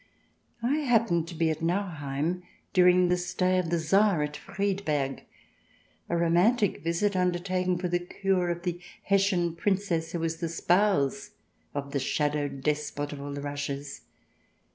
I happened to be at Nauheim during the stay of the Tsar at Friedberg, a romantic visit undertaken for the cure of the Hessian Princess who is the spouse of the shadowed despot of All the Russias.